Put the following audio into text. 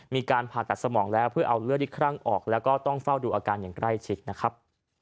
มีการผ่าตัดสมองแล้วเพื่อเอาเลือดที่ครั่งออกแล้วก็ต้องเฝ้าดูอาการอย่างใกล้ชิดนะครับ